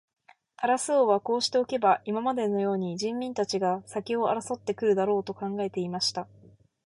タラス王はこうしておけば、今までのように人民たちが先を争って来るだろう、と考えていました。